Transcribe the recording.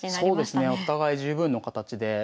そうですねお互い十分の形で。